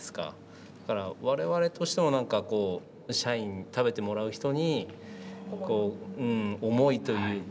だから我々としても何か社員食べてもらう人にこう思いというか。